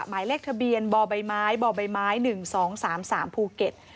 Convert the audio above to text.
หมายเลขทะเบียนบ่อใบไม้บ่อใบไม้หนึ่งสองสามสามภูเก็ต